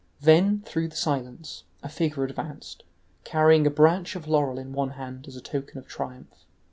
Then, through the silence, a figure advanced, carrying a branch of laurel in one hand as a token of triumph.